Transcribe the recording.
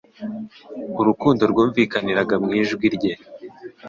urukundo rwumvikaniraga mw’ijwi rye,